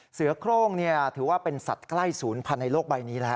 เสือโครงถือว่าเป็นสัตว์ใกล้ศูนย์พันธุ์ในโลกใบนี้แล้ว